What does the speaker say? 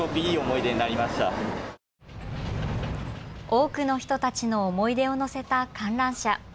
多くの人たちの思い出を乗せた観覧車。